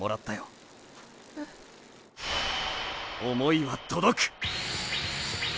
想いは届く！